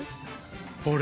あれ？